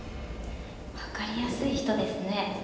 わかりやすい人ですね。